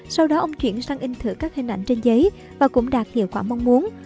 sau đó ông chuyển sang in thử các hình ảnh trên giấy và cũng đạt hiệu quả mong muốn